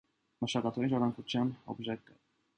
Մշակութային ժառանգության օբյեկտ է։